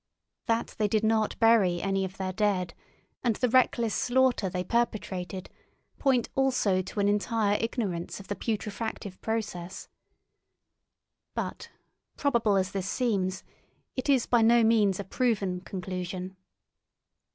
That they did not bury any of their dead, and the reckless slaughter they perpetrated, point also to an entire ignorance of the putrefactive process. But probable as this seems, it is by no means a proven conclusion.